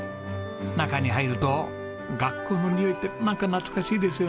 中に入ると学校のにおいってなんか懐かしいですよね。